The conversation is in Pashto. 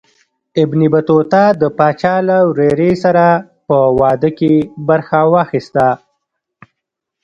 ابن بطوطه د پاچا له ورېرې سره په واده کې برخه واخیستله.